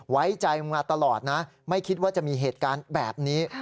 ไว้ใจมาตลอดนะไม่คิดว่าจะมีเหตุการณ์แบบนี้